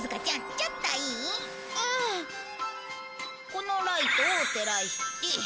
このライトを照らして。